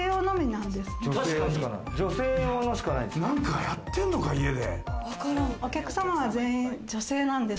なんかやってんのか、家で。